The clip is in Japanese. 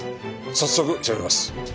早速調べます。